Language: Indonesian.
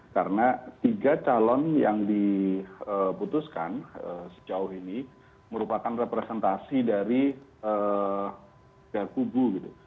karena tiga calon yang diputuskan sejauh ini merupakan representasi dari tiga kubu